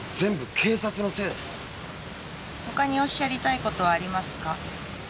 ほかにおっしゃりたいことはありますか？